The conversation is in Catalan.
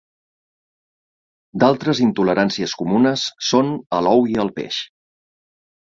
D'altres intoleràncies comunes són a l'ou i al peix.